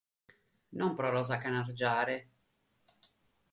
Non pro los acanargiare.